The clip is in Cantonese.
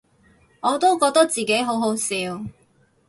我都覺得自己好好笑